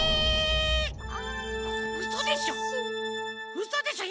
うそでしょ？